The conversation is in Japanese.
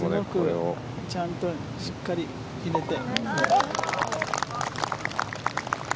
ちゃんとしっかり入れて。